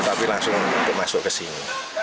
tapi langsung masuk ke sini